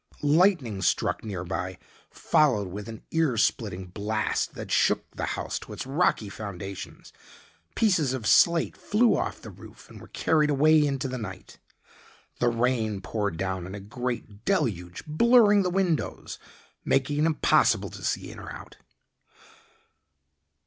Lightning struck near by followed with an ear splitting blast that shook the house to its rocky foundations. Pieces of slate flew off the roof and were carried away into the night. The rain poured down in a great deluge, blurring the window, making it impossible to see in or out.